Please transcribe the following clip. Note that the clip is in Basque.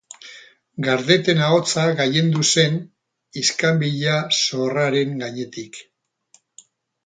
Gardeten ahotsa gailendu zen iskanbila sorraren gainetik.